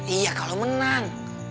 iya kalau menang